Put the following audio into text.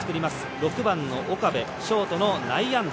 ６番の岡部、ショートの内野安打。